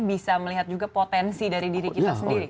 bisa melihat juga potensi dari diri kita sendiri